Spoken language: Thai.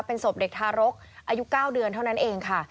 เป็นศพเด็กทารกอายุ๙เดือนเท่านั้นเองค่ะ